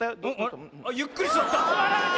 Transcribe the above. ゆっくりすわった。